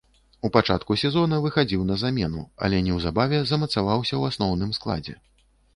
У пачатку сезона выхадзіў на замену, але неўзабаве замацаваўся ў асноўным складзе.